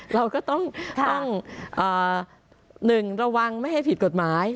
เราก็ต้อง๑ระวังไม่ให้ผิดกฎหมาย